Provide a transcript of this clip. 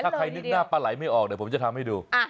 ถ้าใครนึกหน้าปลาไหลไม่ออกเดี๋ยวผมจะทำให้ดู